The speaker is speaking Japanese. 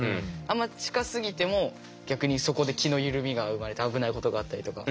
あんま近すぎても逆にそこで気の緩みが生まれて危ないことがあったりとか。